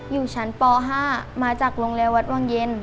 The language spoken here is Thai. อยู่ชั้นป๕มาจากโรงเรียนวัดวังเย็น